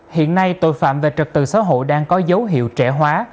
hiện nay tội phạm về trật tự xã hội đang có dấu hiệu trẻ hóa